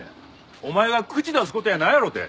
お前が口出す事やないやろて。